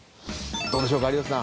どうでしょうか有吉さん